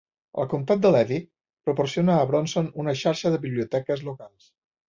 El comtat de Levy proporciona a Bronson una xarxa de biblioteques locals.